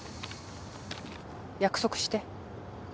約束して。